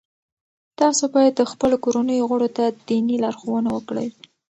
تاسو باید د خپلو کورنیو غړو ته دیني لارښوونه وکړئ.